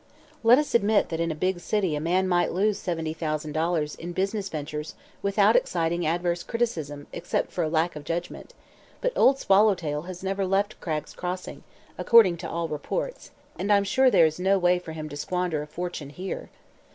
Let us admit that in a big city a man might lose seventy thousand dollars in business ventures without exciting adverse criticism except for a lack of judgment; but Old Swallowtail has never left Cragg's Crossing, according to all reports, and I'm sure there is no way for him to squander a fortune here."